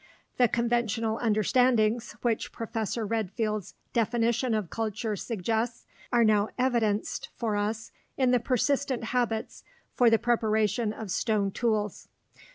The "conventional understandings" which Professor Redfield's definition of culture suggests are now evidenced for us in the persistent habits for the preparation of stone tools.